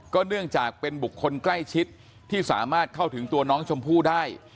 เนื่องจากเป็นบุคคลใกล้ชิดที่สามารถเข้าถึงตัวน้องชมพู่ได้